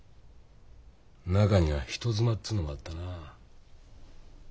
中には人妻っつうのもあったな。